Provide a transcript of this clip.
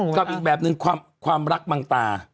กับอีกแบบหนึ่งความรักมังตา